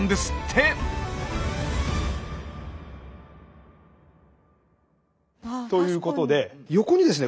ああ確かに。ということで横にですね